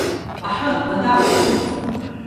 Аҳы, Баҭал, ҳдәықәҵа.